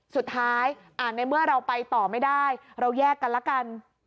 สุดท้ายในเมื่อเราไปต่อไม่ได้เราแยกกันละกัน